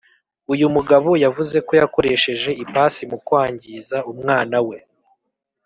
Uyu mugabo yavuze ko yakoresheje ipasi mu kwangiza umwana we.